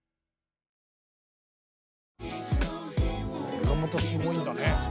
これがまたすごいんだね。